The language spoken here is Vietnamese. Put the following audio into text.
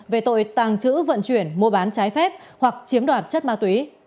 về tội tàng trữ vận chuyển mua bán trái phép hoặc chiếm đoạt chất ma túy